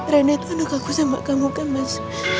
rene anak aku sama kamu kan mas